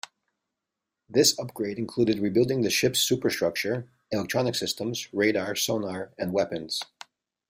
This upgrade included rebuilding the ship's superstructure, electronic systems, radar, sonar, and weapons.